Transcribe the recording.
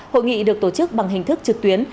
hội nghị được tổ chức bằng hình thức trực tuyến